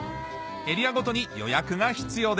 エリアごとに予約が必要です